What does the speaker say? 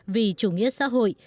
vì chủ nghĩa xã hội